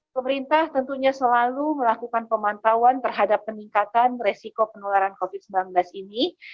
pemerintah tentunya selalu melakukan pemantauan terhadap peningkatan resiko penularan covid sembilan belas ini